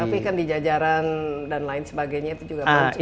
tapi kan di jajaran dan lain sebagainya itu juga muncul